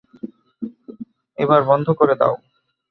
এবার বন্ধ করে দাও!